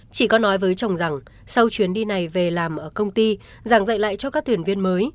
chị có nói với chồng rằng sau chuyến đi này về làm ở công ty giảng dạy lại cho các thuyền viên mới